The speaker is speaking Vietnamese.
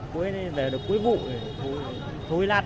cuối vụ thì thối lát